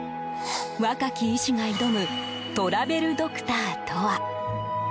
若き医師が挑むトラベルドクターとは？